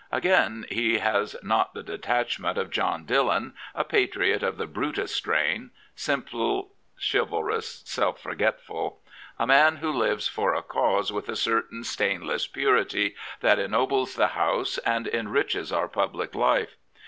Again, he has not the detacWent of John Dillon, a patriot of the Brutus strain, simple, chival rous, self forgetful, a man who lives for a cause with a certain stainless purity that ennobles the House and enriches our public life.